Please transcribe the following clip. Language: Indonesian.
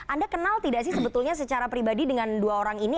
anda kenal tidak sih sebetulnya secara pribadi dengan dua orang ini